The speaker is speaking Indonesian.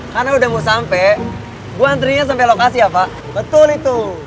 karena udah mau sampai gue antrinya sampai lokasi ya pak betul itu